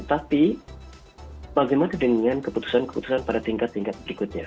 tapi bagaimana dengan keputusan keputusan pada tingkat tingkat berikutnya